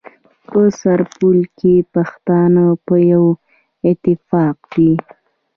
په سرپل کي پښتانه په يوه اتفاق دي.